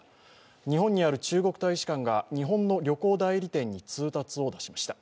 日本にある中国大使館が日本の旅行代理店に通告をしました。